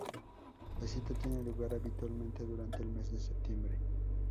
La cita tiene lugar habitualmente durante el mes de septiembre.